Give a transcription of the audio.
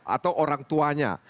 atau orang tuanya